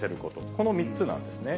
この３つなんですね。